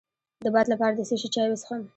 د باد لپاره د څه شي چای وڅښم؟